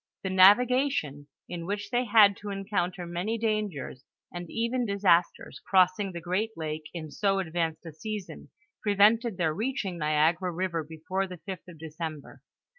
The navigation, in which they had to encounter many dangers and even disasters crossing the great lake in so ad vanced a season, prevented their reaching Niagara river be fore the 5th of December.